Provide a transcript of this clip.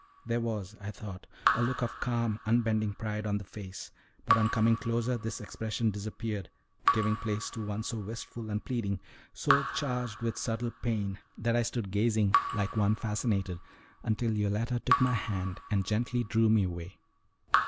There was, I thought, a look of calm, unbending pride on the face, but on coming closer this expression disappeared, giving place to one so wistful and pleading, so charged with subtle pain, that I stood gazing like one fascinated, until Yoletta took my hand and gently drew me away.